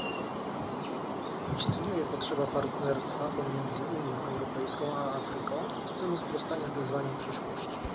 Istnieje potrzeba partnerstwa pomiędzy Unią Europejską a Afryką w celu sprostania wyzwaniom przyszłości